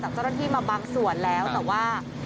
เจ้าหน้าที่มาบางส่วนแล้วแต่ว่า